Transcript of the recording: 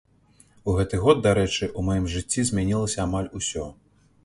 У гэты год, дарэчы, у маім жыцці змянілася амаль усё.